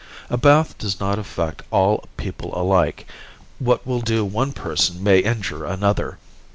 A bath does not affect all people alike; what will do one person good may injure another.